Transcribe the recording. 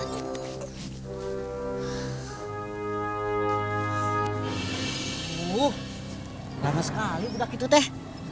uh lama sekali udah gitu teh